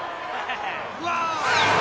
うわ！